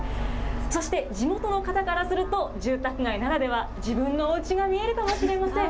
そして地元の方からすると、住宅街ならでは、自分のおうちが見えるかもしれません。